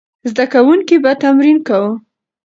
زده کوونکي به تمرین کاوه.